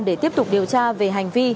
để tiếp tục điều tra về hành vi